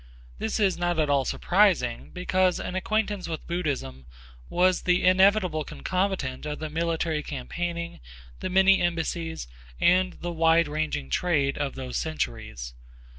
This is not at all surprising, because an acquaintance with Buddhism was the inevitable concomitant of the military campaigning, the many embassies and the wide ranging trade of those centuries.